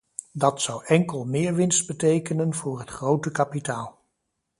Dat zou enkel meer winst betekenen voor het grote kapitaal.